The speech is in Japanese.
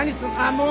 もう！